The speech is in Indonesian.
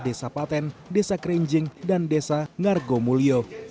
desa paten desa kerenjing dan desa ngargomulyo